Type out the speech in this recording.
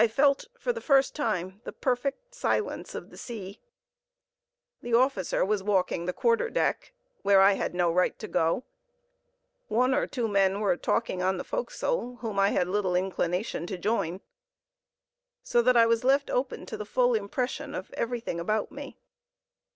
I felt for the first time the perfect silence of the sea. The officer was walking the quarter deck, where I had no right to go, one or two men were talking on the forecastle, whom I had little inclination to join, so that I was left open to the full impression of everything about me.